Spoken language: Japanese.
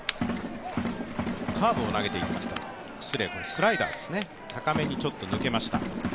スライダー、高めにちょっと抜けました。